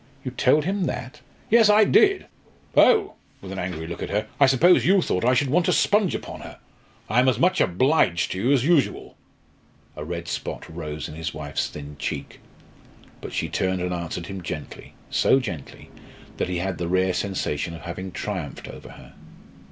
"You told him that?" "Yes, I did. Oh!" with an angry look at her "I suppose you thought I should want to sponge upon her? I am as much obliged to you as usual!" A red spot rose in his wife's thin cheek. But she turned and answered him gently, so gently that he had the rare sensation of having triumphed over her.